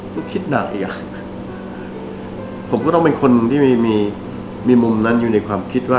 ก็คิดหนักอีกอ่ะผมก็ต้องเป็นคนที่มีมีมุมนั้นอยู่ในความคิดว่า